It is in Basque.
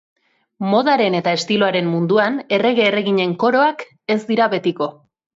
Modaren eta estiloaren munduan errege-erreginen koroak ez dira betiko.